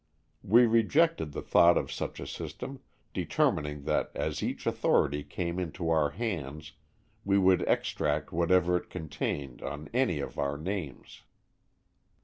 We rejected the thought of such a system, determining that as each authority came into our hands we would extract whatever it contained on any of our names.